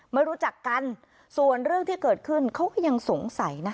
ไม่รู้จักกันส่วนเรื่องที่เกิดขึ้นเขาก็ยังสงสัยนะ